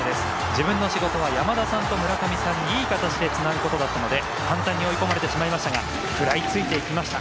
自分の仕事は山田さんと村上さんにつなぐことだったので簡単に追い込まれてしまいましたが食らいついていきました。